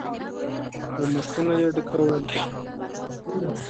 او مشکونه يې ډکول.